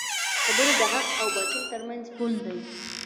خبرې د حق او باطل ترمنځ پول دی